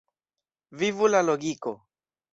Vivu la logiko!